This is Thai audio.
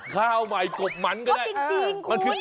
ข้าวใหม่กบมันก็ได้